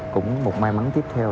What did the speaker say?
cũng một may mắn tiếp theo